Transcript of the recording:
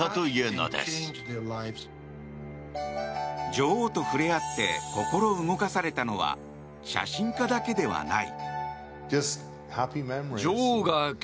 女王と触れ合って心動かされたのは写真家だけではない。